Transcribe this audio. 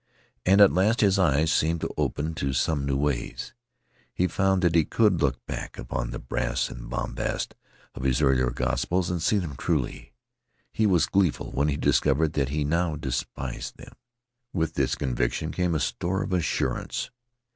And at last his eyes seemed to open to some new ways. He found that he could look back upon the brass and bombast of his earlier gospels and see them truly. He was gleeful when he discovered that he now despised them. With this conviction came a store of assurance.